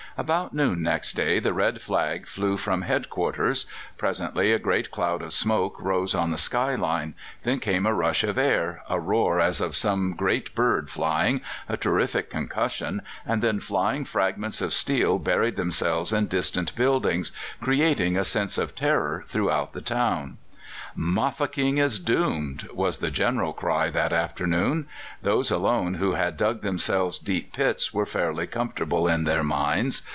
About noon next day the red flag flew from head quarters. Presently a great cloud of smoke rose on the skyline; then came a rush of air, a roar as of some great bird flying, a terrific concussion, and then flying fragments of steel buried themselves in distant buildings, creating a sense of terror throughout the town. "Mafeking is doomed!" was the general cry that afternoon; those alone who had dug themselves deep pits were fairly comfortable in their minds.